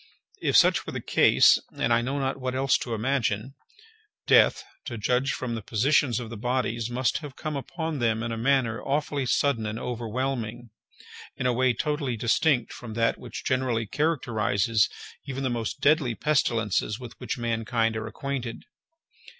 If such were the case (and I know not what else to imagine), death, to judge from the positions of the bodies, must have come upon them in a manner awfully sudden and overwhelming, in a way totally distinct from that which generally characterizes even the most deadly pestilences with which mankind are acquainted.